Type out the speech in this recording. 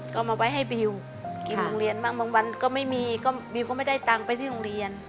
ก็เอามาไว้ให้บิวกินโรงเรียนบ้างบางวันก็ไม่มีก็บิวก็ไม่ได้ตังค์ไปที่โรงเรียน